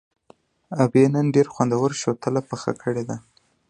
ابۍ نن دې ډېره خوندوره شوتله پخه کړې ده.